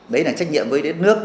đấy là trách nhiệm với đất nước